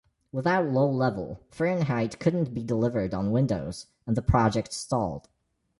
Without Low Level, Fahrenheit couldn't be delivered on Windows, and the project stalled.